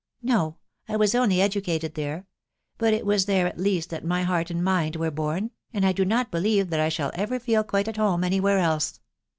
—" No; I was only educated there ; but it was there at least that ray heart and mind were born, and I do not believe that I shall ever fed quite at home any where else."